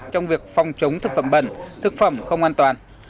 trong việc phòng chống thực phẩm bẩn thực phẩm không an toàn